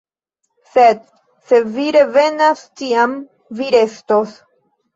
Sed se vi revenas, tiam vi restos.